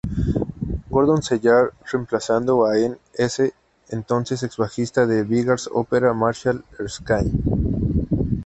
Gordon Sellar reemplazando a en ese entonces ex-bajista de Beggar's Opera Marshall Erskine.